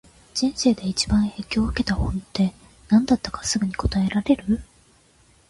人生で一番影響を受けた本って、何だったかすぐに答えられる？